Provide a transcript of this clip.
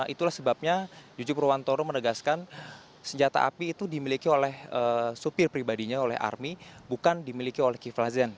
itulah sebabnya jujur purwantoro menegaskan senjata api itu dimiliki oleh supir pribadinya oleh army bukan dimiliki oleh kifla zen